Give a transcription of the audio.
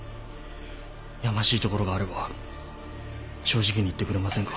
やましいところがあれば正直に言ってくれませんか？